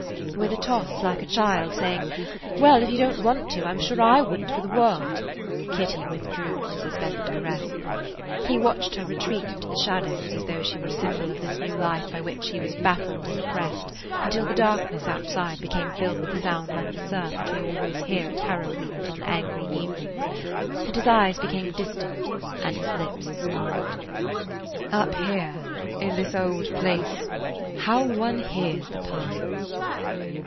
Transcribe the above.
With a toss, like a child saying, "Well, if you don't want to, I 'm sure I would n't for the world!" Kitty withdrew from the suspended caress. He watched her retreat into the shadows as though she were a symbol of this new life by which he was baffled and oppressed, until the darkness outside became filled with the sound like the surf which we always hear at Harrowweald on angry evenings, and [Page 46] his eyes became distant, and his lips smiled. "Up here–in this old place–how one hears the pines!"